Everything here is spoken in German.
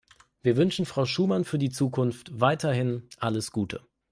Wir wünschen Frau Schumann für die Zukunft weiterhin alles Gute.